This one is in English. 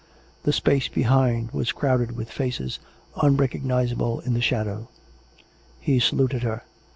The space behind was crowded with faces, unrecognizable in the shadow. He saluted her.